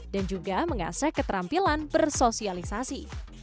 dan juga mengasah keterampilan bersosialisasi